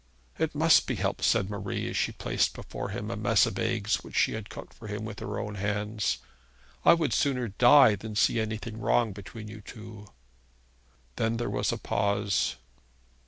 'It must be helped,' said Marie, as she placed before him a mess of eggs which she had cooked for him with her own hands. 'I would sooner die than see anything wrong between you two.' Then there was a pause.